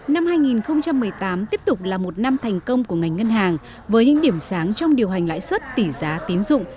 năm hai nghìn một mươi tám tiếp tục là một năm thành công của ngành ngân hàng với những điểm sáng trong điều hành lãi suất tỷ giá tín dụng